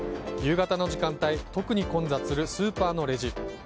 夕方の時間帯特に混雑するスーパーのレジ。